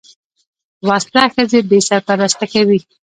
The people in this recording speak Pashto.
وسله ښځې بې سرپرسته کوي